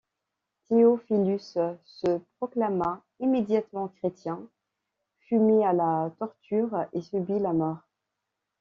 Theophilus se proclama immédiatement chrétien, fut mis à la torture et subit la mort.